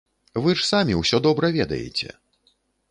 Вы ж самі ўсё добра ведаеце!